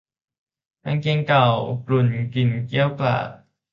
กางเกงเก่ากรุ่นกลิ่นเกรี้ยวกราด